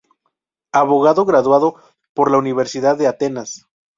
Abogado graduado por la Universidad de Atenas.